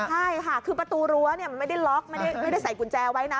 ใช่ค่ะคือประตูรั้วไม่ได้ล็อกไม่ได้ใส่กุญแจไว้นะ